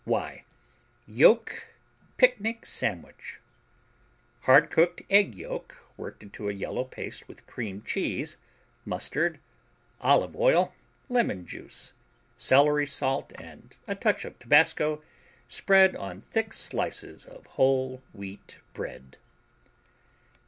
Y Yolk Picnic Sandwich Hard cooked egg yolk worked into a yellow paste with cream cheese, mustard, olive oil, lemon juice, celery salt and a touch of tabasco, spread on thick slices of whole wheat bread.